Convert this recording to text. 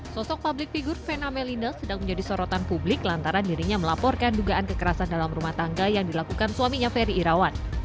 sosok publik figur vena melinda sedang menjadi sorotan publik lantaran dirinya melaporkan dugaan kekerasan dalam rumah tangga yang dilakukan suaminya ferry irawan